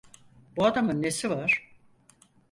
Bu adamın nesi var?